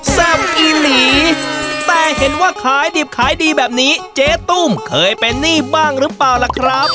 แซ่บอีหลีแต่เห็นว่าขายดิบขายดีแบบนี้เจ๊ตุ้มเคยเป็นหนี้บ้างหรือเปล่าล่ะครับ